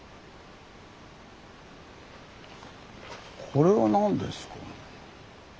これは何ですか。